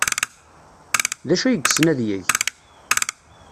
D acu ay yessen ad yeg?